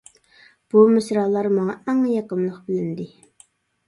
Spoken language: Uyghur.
بۇ مىسرالار ماڭا ئەڭ يېقىملىق بىلىندى.